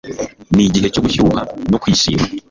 ni igihe cyo gushyuha no kwishima